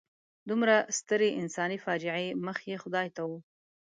دومره سترې انساني فاجعې مخ یې خدای ته و.